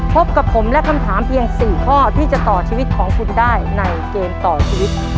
พบกับผมและคำถามเพียง๔ข้อที่จะต่อชีวิตของคุณได้ในเกมต่อชีวิต